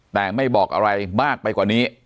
แต่ไม่บอกอะไรมากไปกว่านี้